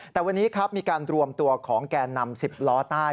แต่วันนี้ครับมีการรวมตัวของแก่นำ๑๐ล้อใต้